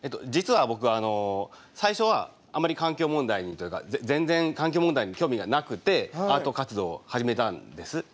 実は僕最初はあまり環境問題にというか全然環境問題に興味がなくてアート活動を始めたんです。